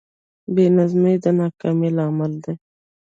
بېنظمي د ناکامۍ لامل دی.